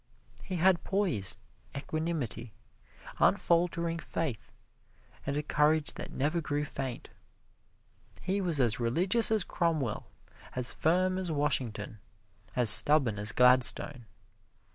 He had poise, equanimity, unfaltering faith and a courage that never grew faint. He was as religious as Cromwell, as firm as Washington, as stubborn as Gladstone.